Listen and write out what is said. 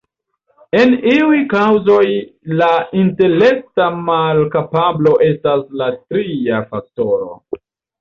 En iuj kaŭzoj la intelekta malkapablo estas la tria faktoro.